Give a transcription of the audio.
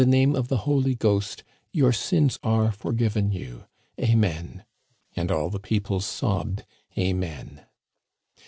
67 name of the Holy Ghost, your sins are forgiven you. Amen." And all the people sobbed, " Amen."